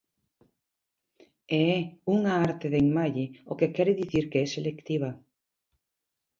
E é unha arte de enmalle, o que quere dicir que é selectiva.